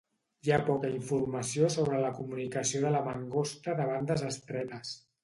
Hi ha poca informació sobre la comunicació de la mangosta de bandes estretes.